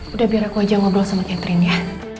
udah biar aku aja ngobrol sama catherine ya